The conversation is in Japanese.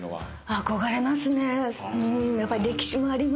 憧れますね。